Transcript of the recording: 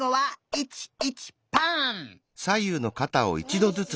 １１パン！